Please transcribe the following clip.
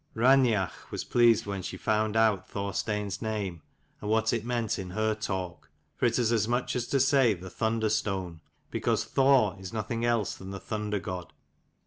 Raineach was pleased when she found out Thorstein's name and what it meant in her talk; for it is as much as to say the Thunder stone, because Thor is nothing else than the Thunder god.